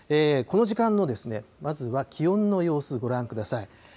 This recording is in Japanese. この時間のまずは気温の様子、ご覧ください。